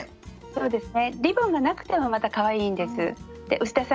そうですね。